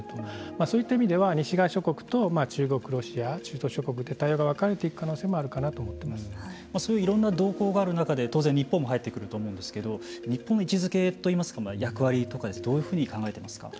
そういった意味では西側諸国と中国、ロシア中東諸国で対応が分かれていくそういういろんな動向がある中で当然日本も入ってくると思うんですけれども日本の位置づけといいますか役割をどういうふうに考えていますか。